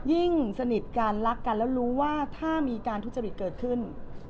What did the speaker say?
สนิทกันรักกันแล้วรู้ว่าถ้ามีการทุจริตเกิดขึ้น